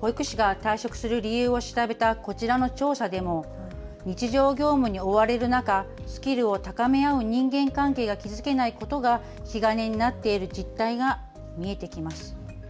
保育士が退職する理由を調べたこちらの調査でも日常業務に追われる中、スキルを高め合う人間関係が築けないことが引き金になっている実態が見えてきます。